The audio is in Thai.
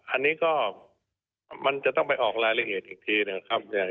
อันนี้ก็มันจะต้องไปออกรายละเอียดอีกทีนะครับ